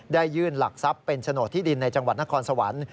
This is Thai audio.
ยื่นหลักทรัพย์เป็นโฉนดที่ดินในจังหวัดนครสวรรค์